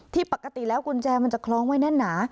ปกติแล้วกุญแจมันจะคล้องไว้แน่นหนา